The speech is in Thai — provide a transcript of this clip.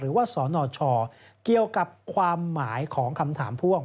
สนชเกี่ยวกับความหมายของคำถามพ่วง